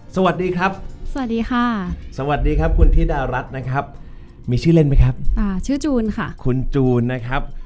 สวัสดีครับสวัสดีค่ะสวัสดีครับคุณธิดารัฐนะครับมีชื่อเล่นไหมครับอ่าชื่อจูนค่ะคุณจูนนะครับ